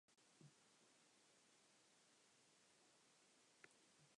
More recently he and Roger Bellon wrote "Highlander - A Celtic Opera".